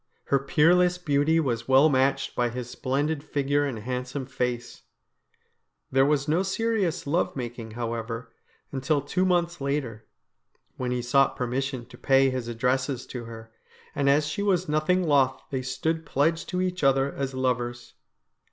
Her peerless beauty was well matched by his splendid figure and handsome face There was no serious love making, however, until two months later, when he sought permission to pay his addresses to her, and as she was nothing loth they stood pledged to each other as lovers.